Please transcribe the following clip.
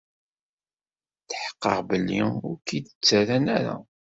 Tḥeqqeɣ belli ur -k-id-ttarran ara.